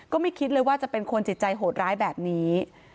ไม่คิดเลยว่าจะเป็นคนจิตใจโหดร้ายแบบนี้